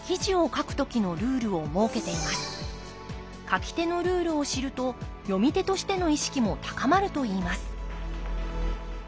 書き手のルールを知ると読み手としての意識も高まるといいます